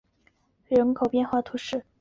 拉巴斯蒂德莱韦屈埃人口变化图示